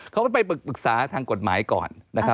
เขาก็ไปปรึกษาทางกฎหมายก่อนนะครับ